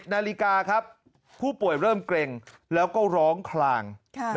นาฬิกาครับผู้ป่วยเริ่มเกร็งแล้วก็ร้องคลาง